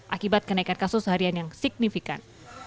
akibat kenaikan kasus harian yang signifikan